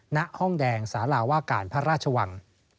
ณห้องแดงสาราว่าการพระราชวัง